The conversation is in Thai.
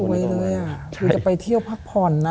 โหสวยเลยอะดูจะไปเที่ยวพักผ่อนนะ